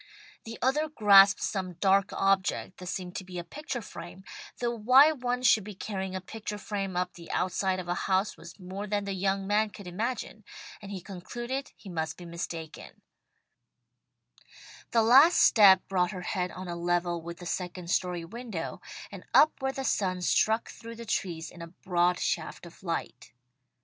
The other grasped some dark object that seemed to be a picture frame, though why one should be carrying a picture frame up the outside of a house was more than the young man could imagine, and he concluded he must be mistaken. [Illustration: "THE OTHER GRASPED SOME DARK OBJECT THAT SEEMED TO BE A PICTURE FRAME."] The last step brought her head on a level with the second story window, and up where the sun struck through the trees in a broad shaft of light.